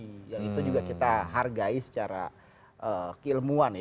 itu juga kita hargai secara keilmuan ya